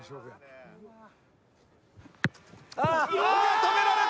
止められた！